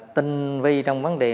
tinh vi trong vấn đề